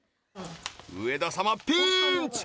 上田様ピーンチ！